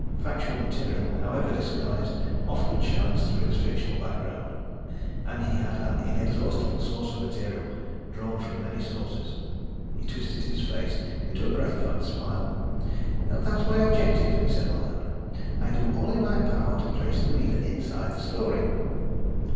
Factual material, however disguised, often shines through its fictional background. And he had an inexhaustible source of material, drawn from many sources. He twisted his face into a gratified smile. "That's my objective," he said aloud. "I do all in my power to place the reader inside the story."